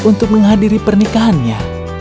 untuk menghadiri pernikahannya